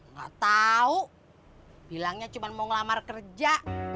nggak tahu bilangnya cuma mau ngelamar kerja